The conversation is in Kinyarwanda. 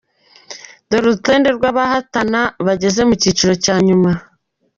Dore urutonde rw’abahatana bageze ku cyiciro cya nyuma:.